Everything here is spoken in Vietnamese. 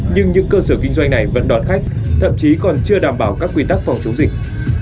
nhưng những cơ sở kinh doanh này vẫn đón khách thậm chí còn chưa đảm bảo các quy tắc phòng chống dịch